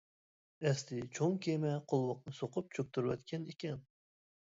ئەسلى چوڭ كېمە قولۋاقنى سوقۇپ چۆكتۈرۈۋەتكەن ئىكەن.